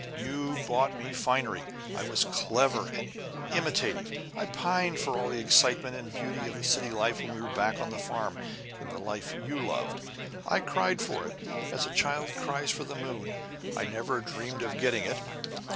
You bought me finery. I was clever and imitative. I pined for all the excitement and beauty of city life when we were back on the farm, in the life you loved. I cried for it, as a child cries for the moon. I never dreamed of getting it.